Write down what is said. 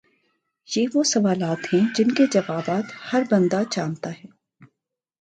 یہ وہ سوالات ہیں جن کے جوابات ہر بندہ جانتا ہے